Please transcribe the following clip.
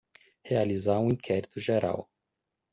Realizar um inquérito geral